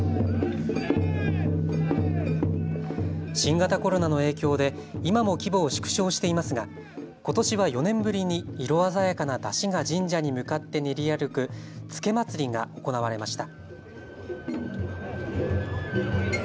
新型コロナの影響で今も規模を縮小していますが、ことしは４年ぶりに色鮮やかな山車が神社に向かって練り歩く付祭が行われました。